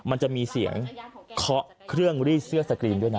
มันจะมีเสียงเคาะเครื่องรีดเสื้อสกรีนด้วยนะ